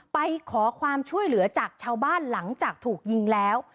ไปขอความช่วยเหลือจากชาวบ้านหลังจากถูกยิงแล้ว